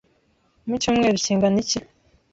Mucyumweru kingana iki?